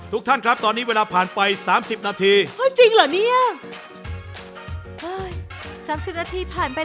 ทุกท่านครับตอนนี้เวลาผ่านไป๓๐นาที